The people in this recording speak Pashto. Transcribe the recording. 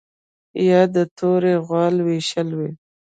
یا د تورې غوا لوشل وي